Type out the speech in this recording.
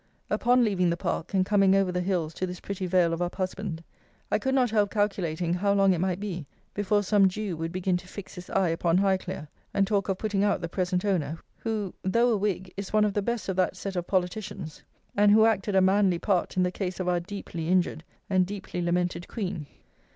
Upon leaving the park, and coming over the hills to this pretty vale of Uphusband, I could not help calculating how long it might be before some Jew would begin to fix his eye upon Highclere, and talk of putting out the present owner, who, though a Whig, is one of the best of that set of politicians, and who acted a manly part in the case of our deeply injured and deeply lamented Queen.